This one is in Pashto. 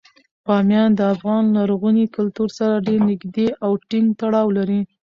بامیان د افغان لرغوني کلتور سره ډیر نږدې او ټینګ تړاو لري.